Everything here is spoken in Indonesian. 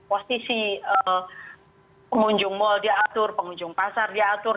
posisi pengunjung mal diatur pengunjung pasar diatur